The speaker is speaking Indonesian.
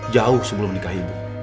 jauh sebelum nikah ibu